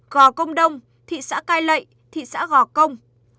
gò công đông thị xã cai lệ thị xã gò công